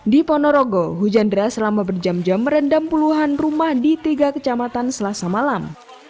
di ponorogo hujan deras selama berjam jam merendam puluhan rumah di tiga kecamatan selasa malam